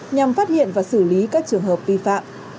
nhằm phát hiện và xử lý các trường hợp vi phạm